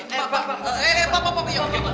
eh bapak eh bapak